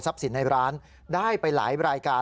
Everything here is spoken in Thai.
สินในร้านได้ไปหลายรายการ